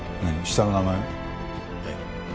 下の名前は？えっ？